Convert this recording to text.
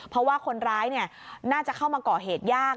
เพราะว่าคนร้ายน่าจะเข้ามาก่อเหตุยาก